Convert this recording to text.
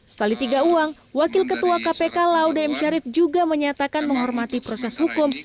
setelah ditiga uang wakil ketua kpk laudem syarif juga menyatakan menghormati proses hukum